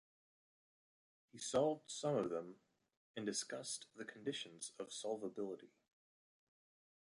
He solved some of them and discussed the conditions of solvability.